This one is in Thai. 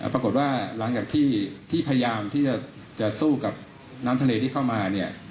ปรากฏว่าหลังจากที่พยายามที่จะสู้กับน้ำทะเลที่เข้ามาเนี่ย